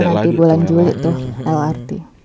nanti bulan juli tuh lrt